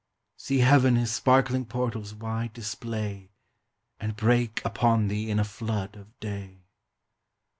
See Heaven his sparkling portals wide display, And break upon thee in a flood of day!